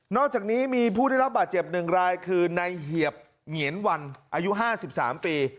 นอกจากนี้มีผู้ได้รับบาดเจ็บหนึ่งรายคือนายเหยียบเหงียนวันอายุห้าสิบสามปี